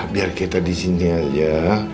biar kita disini aja